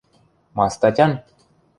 Ма статян?